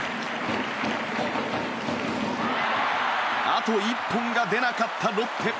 あと一本が出なかったロッテ。